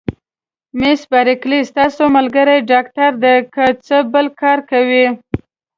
مس بارکلي: ستاسي ملګری ډاکټر دی، که څه بل کار کوي؟